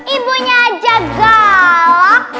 ibunya aja galak